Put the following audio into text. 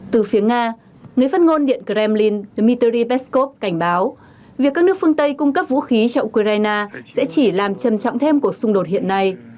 từ phía nga người phát ngôn điện kremlin dmitry peskov cảnh báo việc các nước phương tây cung cấp vũ khí cho ukraine sẽ chỉ làm trầm trọng thêm cuộc xung đột hiện nay